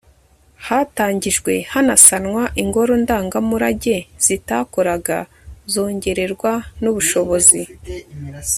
hatangijwe hanasanwa ingoro ndangamurage zitakoraga zongererwa n'ubushobozi